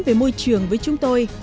về môi trường với chúng tôi